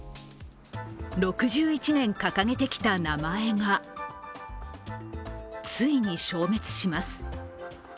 ６１年、掲げてきた名前がついに消滅します。